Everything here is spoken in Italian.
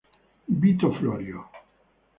Vito Florio